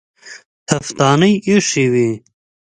تفدانۍ ايښې وې.